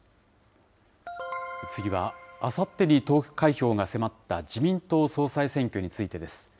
次はあさってに投開票が迫った自民党総裁選挙についてです。